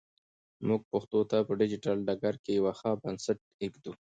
موږ پښتو ته په ډیجیټل ډګر کې یو ښه بنسټ ایږدو.